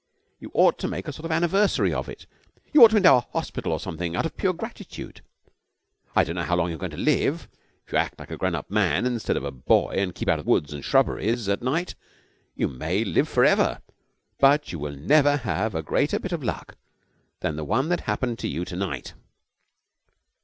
You ought to make a sort of anniversary of it. You ought to endow a hospital or something out of pure gratitude. I don't know how long you're going to live if you act like a grown up man instead of a boy and keep out of woods and shrubberies at night you may live for ever but you will never have a greater bit of luck than the one that happened to you to night.'